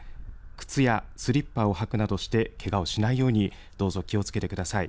靴やスリッパを履くなどしてけがをしないようにどうぞ気をつけてください。